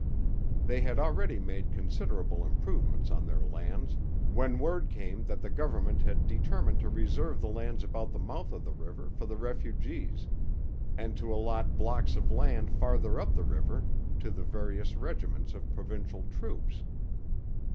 They had already made considerable improvements on their lands, when word came that the government had determined to reserve the lands about the mouth of the river for the refugees, and to allot blocks of land farther up the river to the various regiments of provincial troops.